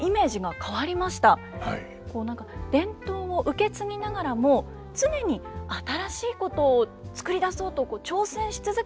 こう何か伝統を受け継ぎながらも常に新しいことをつくり出そうと挑戦し続けていらっしゃる。